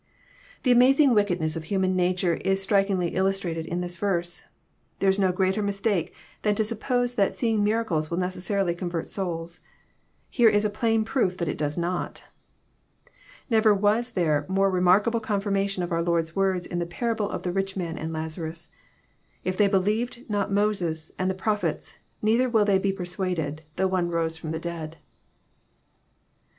The amazing wickedness of human nature is strikingly Illus trated in this verse. There is no greater mistake than to sup pose that seeing miracles will necessarily convert souls. Here is a plain proof that it does not. Never was there a more re markable confirmation of our Lord's words in the parable of the Bich Man and Lazarus, " If they believe not Moses and the Prophets, neither will they be pe: suaded, though one rose from the dead."